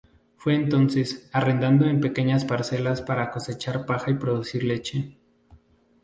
Fue entonces arrendado en pequeñas parcelas para cosechar paja y producir leche.